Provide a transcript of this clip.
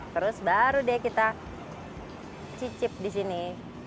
terus baru deh kita cicip di sini